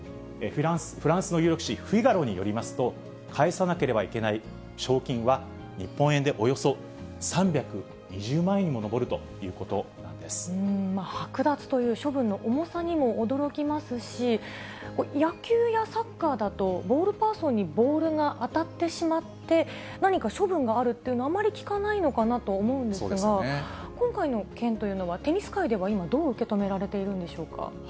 フランスの有力誌、フィガロによりますと、返さなければいけない賞金は日本円でおよそ３２０万円にも上ると剥奪という処分の重さにも驚きますし、野球やサッカーだと、ボールパーソンにボールが当たってしまって、何か処分があるっていうのはあまり聞かないのかなと思うんですが、今回の件というのは、テニス界では今、どう受け止められているんでしょうか。